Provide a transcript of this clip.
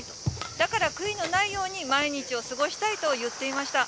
だから悔いのないように毎日を過ごしたいと言っていました。